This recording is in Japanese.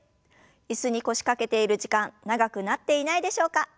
椅子に腰掛けている時間長くなっていないでしょうか？